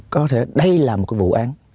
có thể đây là một vụ án